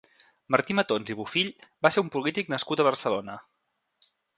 Martí Matons i Bofill va ser un polític nascut a Barcelona.